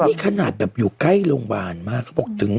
เลยขนาดแบบอยู่ใกล้โรงพยาบาลมาก